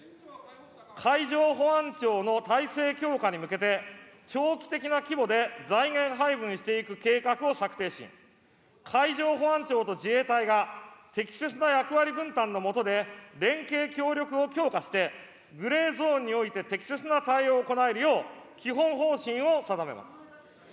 海上保安庁の体制強化に向けて、長期的な規模で財源配分していく計画を策定し、海上保安庁と自衛隊が適切な役割分担の下で、連携協力を強化して、グレーゾーンにおいて適切な対応を行えるよう、基本方針を定めます。